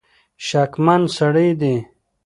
شکمن سړي دي.